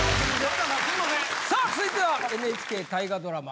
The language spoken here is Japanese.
さあ続いてはＮＨＫ大河ドラマ。